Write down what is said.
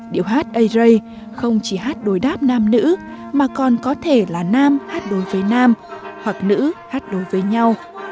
điệu hát ây rây không chỉ hát đối đáp nam nữ mà còn có thể là nam hát đối với nam hoặc nữ hát đối với nhau